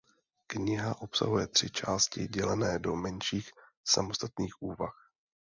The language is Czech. Kniha obsahuje tři části dělené do menších samostatných úvah.